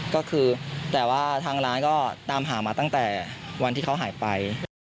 ก็คือแต่ว่าทางร้านก็ตามหามาตั้งแต่วันที่เขาหายไป